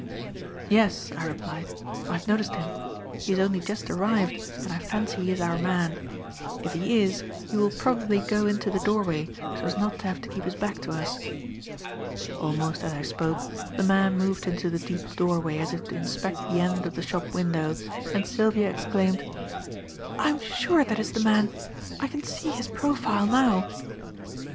"Yes," I replied, "I have noticed him. He has only just arrived, and I fancy he is our man. If he is, he will probably go into the doorway so as not to have to keep his back to us." Almost as I spoke, the man moved into the deep doorway as if to inspect the end of the shop window, and Sylvia exclaimed: "I'm sure that is the man. I can see his profile now."